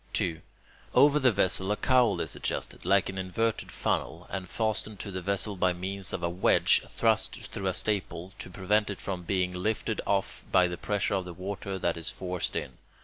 2. Over the vessel a cowl is adjusted, like an inverted funnel, and fastened to the vessel by means of a wedge thrust through a staple, to prevent it from being lifted off by the pressure of the water that is forced in.